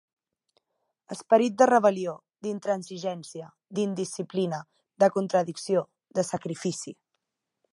Esperit de rebel·lió, d'intransigència, d'indisciplina, de contradicció, de sacrifici.